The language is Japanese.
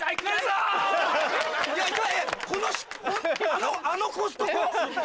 あのあのコストコ⁉